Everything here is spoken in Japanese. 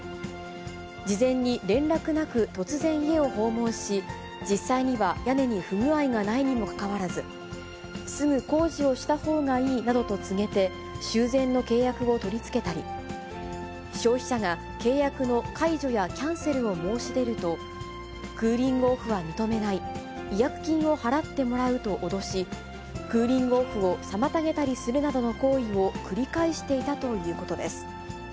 事前に連絡なく突然家を訪問し、実際には屋根に不具合がないにもかかわらず、すぐ工事をしたほうがいいなどと告げて、修繕の契約を取り付けたり、消費者が契約の解除やキャンセルを申し出ると、クーリングオフは認めない、違約金を払ってもらうと脅し、クーリングオフを妨げたりするなどの行為を繰り返していたということです。